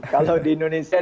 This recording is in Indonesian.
kalau di indonesia